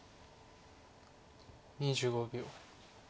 ２５秒。